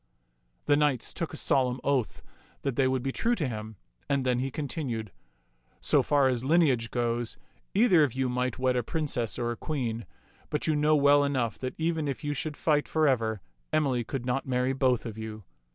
The knights took a solemn oath that they would be true to him, and then he continued, " So far as lineage goes, either of you might wed a princess or a queen ; but you know well enough that even if you should fight forever, Emily could not marry both of you.